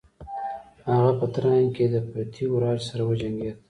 هغه په تراین کې د پرتیوي راج سره وجنګید.